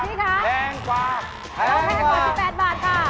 พี่คะต้องแพงกว่า๑๘บาทค่ะ